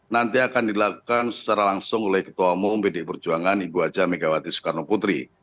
nanti akan dilakukan secara langsung oleh ketua umum pdi perjuangan ibu haja megawati soekarno putri